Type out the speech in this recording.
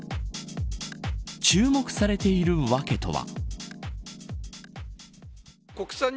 注目されているワケとは。